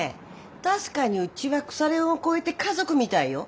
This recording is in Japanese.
確かにうちは腐れ縁を超えて家族みたいよ。